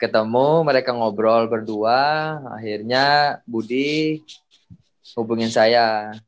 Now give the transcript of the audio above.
ketemu mereka ngobrol berdua akhirnya budi hubungin saya